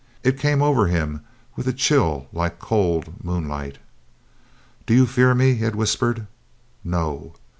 It came over him with a chill like cold moonlight. "Do you fear me?" he had whispered. "No."